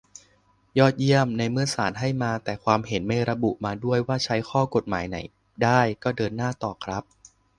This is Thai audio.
ยอดเยี่ยม ในเมื่อศาลให้มาแต่ความเห็น ไม่ระบุมาด้วยว่าใช้ข้อกฎหมายไหนได้ ก็เดินหน้าต่อครับ